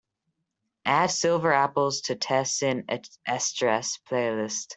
Add silver apples to teh sin estrés playlist.